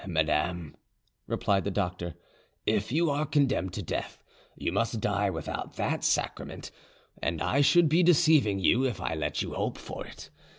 "Madame," replied the doctor, "if you are condemned to death, you must die without that sacrament, and I should be deceiving you if I let you hope for it.